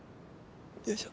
よいしょ。